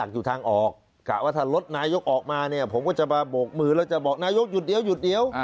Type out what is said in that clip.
อยู่ทางออกกะว่าถ้ารถนายกออกมาเนี่ยผมก็จะมาโบกมือแล้วจะบอกนายกหยุดเดี๋ยวหยุดเดี๋ยว